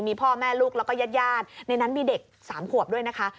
มีพ่อแม่ลูกแล้วก็ญาติญาติในนั้นมีเด็ก๓ขวบด้วยนะคะ